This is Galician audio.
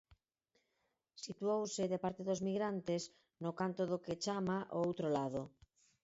Situouse de parte dos migrantes, no canto do que chama o "outro lado".